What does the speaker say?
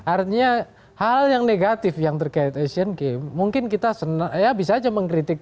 artinya hal yang negatif yang terkait asian game mungkin kita senang ya bisa aja mengkritikkan